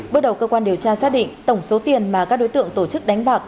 bước đầu cơ quan điều tra xác định tổng số tiền mà các đối tượng tổ chức đánh bạc